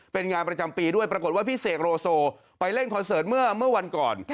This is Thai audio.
เป็นงานประจำปีด้วยปรากฏว่าพี่เสกโรโซไปเล่นคอนเสิร์ตเมื่อวันก่อน